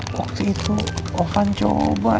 waktu itu ovan coba ya